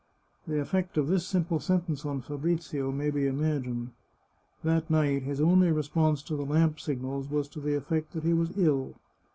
The effect of this simple sentence on Fabrizio may be imagined. That night, his only response to the lamp signals was to the effect that he was ill.